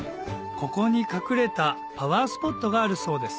ここに隠れたパワースポットがあるそうです